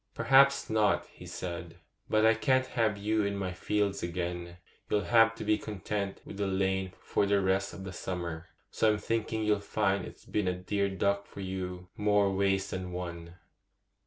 'Perhaps not,' he said; 'but I can't have you in my fields again: you'll have to be content with the lane for the rest of the summer, so I'm thinking you'll find it's been a dear duck for you more ways than one.